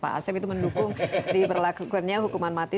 pak asep itu mendukung diberlakukannya hukuman mati